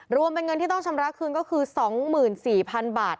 รวมเป็นเงินที่ต้องชำระคืนก็คือ๒๔๐๐๐บาท